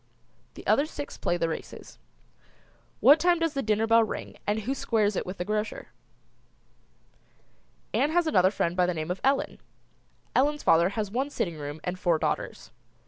The other six play the races. What time does the dinner bell ring and who squares it with the grocer? Ann has another friend by the name of Ellen. Ellen's father has one sitting room and four daughters.